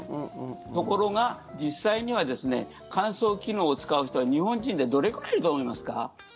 ところが、実際には乾燥機能を使う人は日本人でどれくらいいると思いますか？